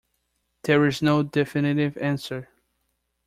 There is no definitive answer.